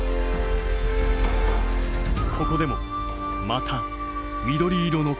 ここでもまた緑色の仮面。